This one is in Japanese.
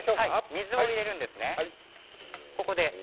水を入れるんですね。